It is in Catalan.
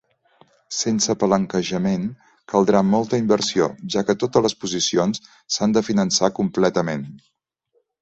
Sense palanquejament, caldrà molta inversió, ja que totes les posicions s'han de finançar completament.